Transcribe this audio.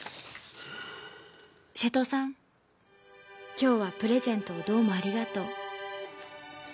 「今日はプレゼントどうもありがとう」